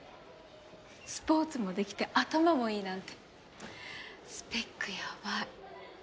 スポーツもできて頭もいいなんてスペックやばい。